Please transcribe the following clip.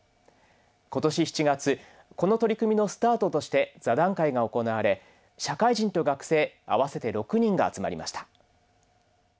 今年７月この取り組みのスタートとして座談会が行われ社会人と学生合わせて６人が集まりました。